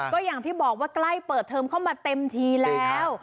ก็อย่างที่บอกว่าใกล้เปิดเทอมเข้ามาเต็มทีแล้ว